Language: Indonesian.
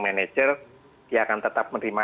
manager dia akan tetap menerima